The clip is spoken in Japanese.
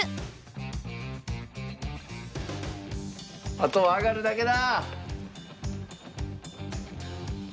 あとはアガるだけだ！